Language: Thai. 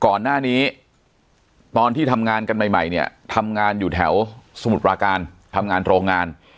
ก่อนหน้านี้ตอนที่ทำงานกันใหม่เนี่ยทำงานอยู่แถวสมุทรปราการทำงานโรงงาน